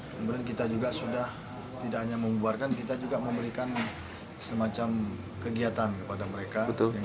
kemudian kita juga sudah tidak hanya membuarkan kita juga memberikan semacam kegiatan kepada mereka